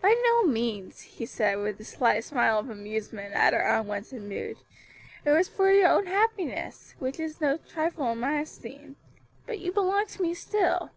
"By no means," he said, with a slight smile of amusement at her unwonted mood. "It was for your own happiness, which is no trifle in my esteem. But you belong to me still."